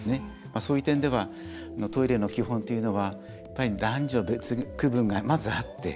そういう点ではトイレの基本というのはやっぱり男女別に区分が、まずあって。